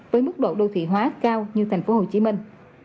với mức độ đô thị hóa cao như thành phố hồ chí minh